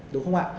đúng không ạ